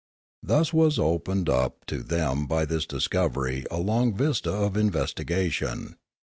Thus was opened up to them by this discovery a long vista of investigation.